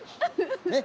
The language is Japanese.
ねっ！